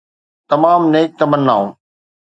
تمام نيڪ تمنائون